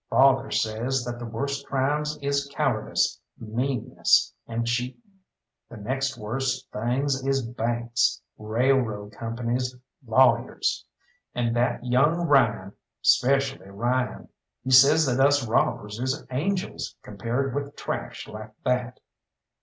"Father says that the worst crimes is cowardice, meanness, and cheating. The next worse things is banks, railroad companies, lawyers; and that young Ryan 'specially Ryan he says that us robbers is angels compared with trash like that."